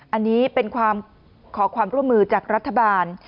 อันนี้เป็นความขอความร่วมมือจากรัฐบาล